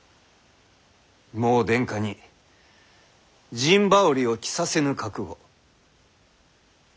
もう殿下に陣羽織を着させぬ覚悟。